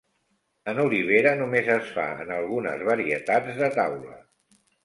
En olivera només es fa en algunes varietats de taula.